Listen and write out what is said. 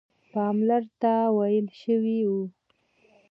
پالمر ته ویل شوي وه.